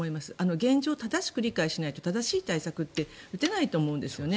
現状を正しく理解しないと正しい対策って打てないと思うんですね。